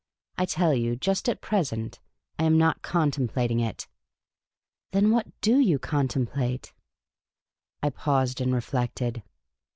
I tell you, just at present, I am not contemplating it." " Then what do you contemplate ?" I paused and reflected.